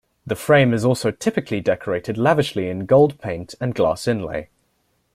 The frame is also typically decorated lavishly in gold paint and glass inlay.